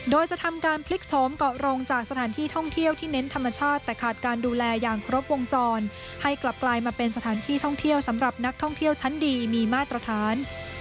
โดยจะทำการพลิกโฉมเกาะโรงจากสถานที่ท่องเที่ยวที่เน้นธรรมชาติแต่ขาดการดูแลอย่างครบวงจรให้กลับกลายมาเป็นสถานที่ท่องเที่ยวสำหรับนักท่องเที่ยวชั้นดีมีมาตรฐาน